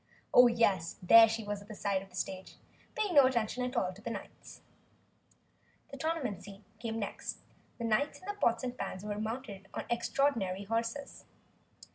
Oh, yes, there she was at the side of the stage, paying no attention at all to the knights. The tournament scene came next. The knights in their pots and pans were mounted on extraordinary horses.